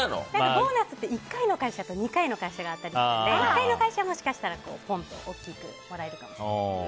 ボーナスって１回の会社と２回の会社があったりするので１回の会社はもしかしたらぽんと大きくもらえるかもしれない。